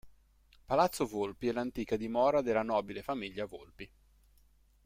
Palazzo Volpi è l'antica dimora della nobile famiglia Volpi.